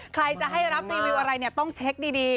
ใครจะให้รับรีวิวอะไรเนี่ยต้องเช็คดี